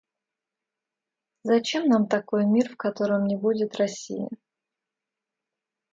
Зачем нам такой мир, в котором не будет России!